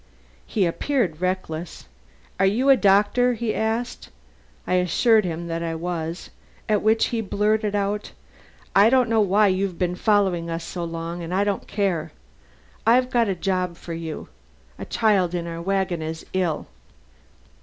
He appeared reckless. 'Are you a doctor?' he asked. I assured him that I was. At which he blurted out: 'I don't know why you've been following us so long, and I don't care. I've got a job for you. A child in our wagon is ill.'"